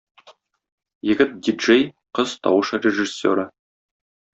Егет - ди-джей, кыз - тавыш режиссеры.